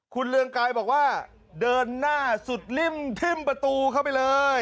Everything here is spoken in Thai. คุณเรืองไกรบอกว่าเดินหน้าสุดริ่มทิ้มประตูเข้าไปเลย